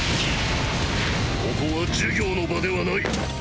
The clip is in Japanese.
ここは授業の場ではない。